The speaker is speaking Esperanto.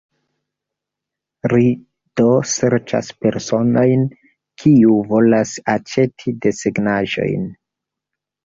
Ri do serĉas personojn, kiu volas aĉeti desegnaĵojn.